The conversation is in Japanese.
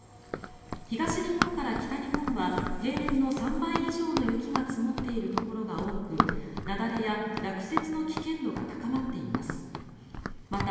東日本から北日本は平年の３倍以上の雪が積もっているところが多く雪崩や落雪の危険度が高まっています。